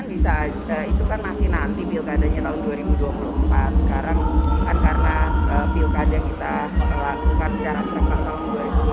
itu kan masih nanti pilkadanya tahun dua ribu dua puluh empat sekarang bukan karena pilkada kita melakukan secara streng tahun dua ribu dua puluh empat